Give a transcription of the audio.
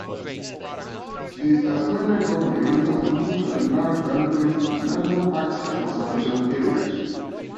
The Tasmanian Government has moved to allow development in national parks and conservations areas.